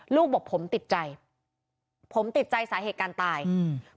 ลูกบอกผมติดใจผมติดใจสาเหตุการณ์ตายอืม